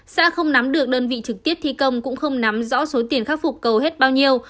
xã không nắm được đơn vị trực tiếp thi công cũng không nắm rõ số tiền khắc phục cầu hết bao nhiêu